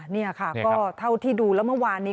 นี่ค่ะก็เท่าที่ดูแล้วเมื่อวานนี้